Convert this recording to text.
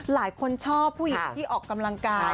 หลายคนชอบผู้หญิงที่ออกกำลังกาย